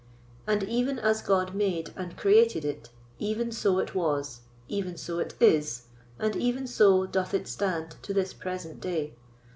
And even as God made and created it, even so it was, even so it is, and even so doth it stand to this present day.